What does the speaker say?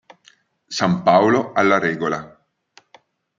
San Paolo alla Regola